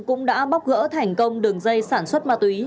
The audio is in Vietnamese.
cũng đã bóc gỡ thành công đường dây sản xuất ma túy